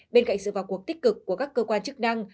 bên cạnh sự vào cuộc tích cực của các cơ quan chức năng